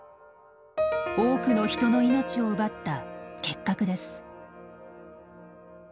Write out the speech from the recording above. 多くの人の命を奪った結核です。